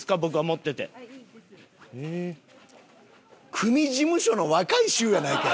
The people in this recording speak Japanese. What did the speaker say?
組事務所の若い衆やないかい！